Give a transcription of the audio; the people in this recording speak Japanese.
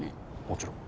もちろん。